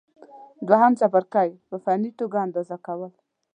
دوهم څپرکی: په فني توګه اندازه کول